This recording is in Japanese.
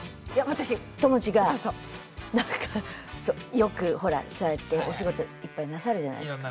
よくほらそうやってお仕事いっぱいなさるじゃないですか。